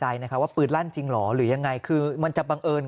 ใจนะคะว่าปืนลั่นจริงเหรอหรือยังไงคือมันจะบังเอิญ